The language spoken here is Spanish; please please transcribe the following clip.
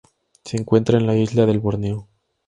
Se encuentra en la isla de Borneo.